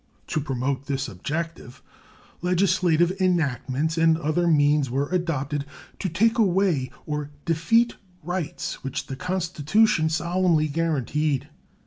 To promote this object, legislative enactments and other means were adopted to take away or defeat rights which the Constitution solemnly guaranteed.